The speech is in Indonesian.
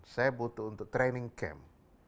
saya butuh untuk training camp